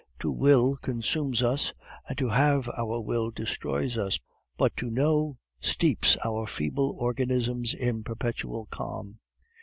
To Will consumes us, and To have our Will destroys us, but To Know steeps our feeble organisms in perpetual calm.